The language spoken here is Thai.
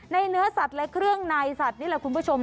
เนื้อสัตว์และเครื่องในสัตว์นี่แหละคุณผู้ชม